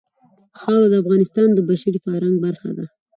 خاوره د افغانستان د بشري فرهنګ برخه ده.